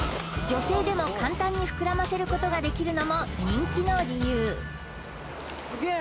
女性でも簡単に膨らませることができるのも人気の理由すげー！